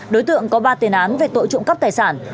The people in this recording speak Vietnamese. đối tượng có ba tiền án về tội trộm cắp tài sản